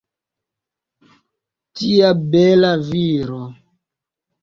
Tia bela viro!